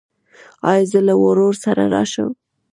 ایا زه له ورور سره راشم؟